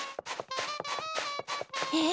えっ？